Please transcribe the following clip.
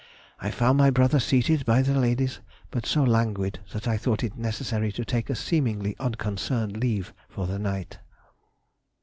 I found my brother seated by the ladies, but so languid that I thought it necessary to take a seemingly unconcerned leave for the night.